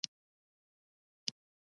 آزاد تجارت مهم دی ځکه چې ازادي ورکوي.